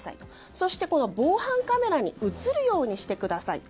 そして、防犯カメラに映るようにしてくださいと。